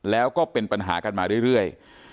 แล้วก็เป็นปัญหากันมาเรื่อย